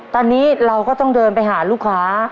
ตอนนี้เราก็ต้องเดินไปหาลูกค้า